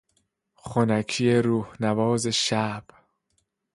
خنکی روحنواز شب